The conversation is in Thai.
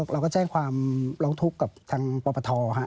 เราก็แจ้งความร้องทุกข์กับทางปปท